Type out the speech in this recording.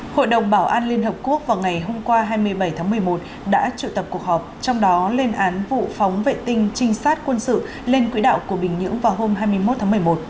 hội đồng bảo an liên hợp quốc vào ngày hôm qua hai mươi bảy tháng một mươi một đã trự tập cuộc họp trong đó lên án vụ phóng vệ tinh trinh sát quân sự lên quỹ đạo của bình nhưỡng vào hôm hai mươi một tháng một mươi một